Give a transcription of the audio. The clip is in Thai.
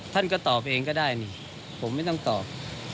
ท่านก็ตอบเองก็ได้นี่ผมไม่ต้องตอบ